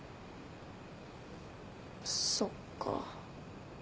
そっか。